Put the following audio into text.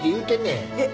えっ。